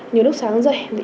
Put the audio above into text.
nhiều lúc sáng dậy bị mỏi cổ